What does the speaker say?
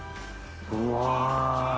うわ。